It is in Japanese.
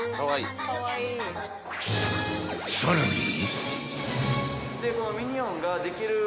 ［さらに］